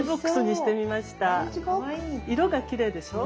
色がきれいでしょ？